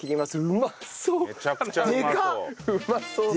うまそう！